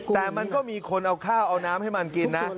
แต่มันก็มีคนเอาข้าวเอาน้ำให้มันกินนะ